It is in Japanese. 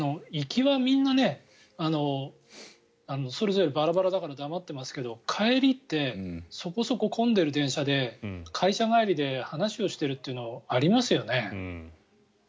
行きはみんなそれぞれバラバラだから黙ってますけど帰りってそこそこ混んでる電車で会社帰りで話をしてるっていうのはありますよね。